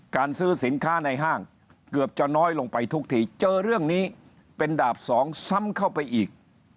การซื้อสินค้าในห้างเกือบจะน้อยลงไปทุกทีเจอเรื่องนี้เป็นดาบสองซ้ำเข้าไปอีก